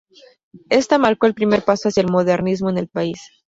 Esta marcó el primer paso hacia el modernismo en el país.